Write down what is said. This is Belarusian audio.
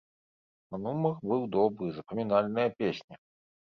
А нумар быў добры, запамінальная песня.